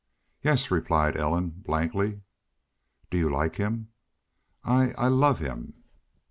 "Yes," replied Ellen, blankly. "Do you like him?" "I I love him."